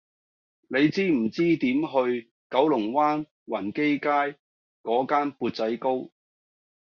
你知唔知點去九龍灣宏基街嗰間缽仔糕